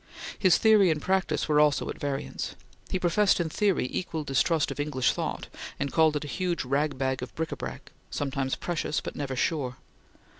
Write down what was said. His theory and practice were also at variance. He professed in theory equal distrust of English thought, and called it a huge rag bag of bric a brac, sometimes precious but never sure.